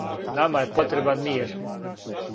Нама је потребан мир.